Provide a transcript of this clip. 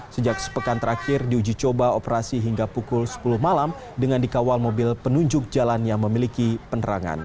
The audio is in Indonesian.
sejak sepekan terakhir diuji coba operasi hingga pukul sepuluh malam dengan dikawal mobil penunjuk jalan yang memiliki penerangan